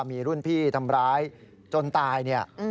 มีรุ่นพี่ทำร้ายจนตายเนี่ย